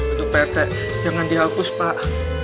aduh pak rt jangan dihapus pak